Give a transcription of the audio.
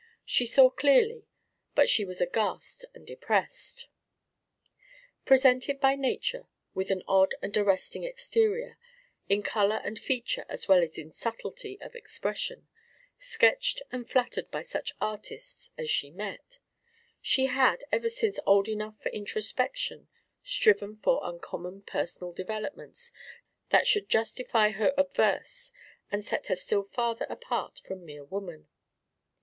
She saw clearly, but she was aghast and depressed. Presented by nature with an odd and arresting exterior, in color and feature as well as in subtlety of expression, sketched and flattered by such artists as she met, she had, ever since old enough for introspection, striven for uncommon personal developments that should justify her obverse and set her still farther apart from mere woman.